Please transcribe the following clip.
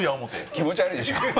気持ち悪いでしょ。